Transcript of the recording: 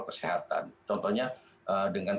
kesehatan contohnya dengan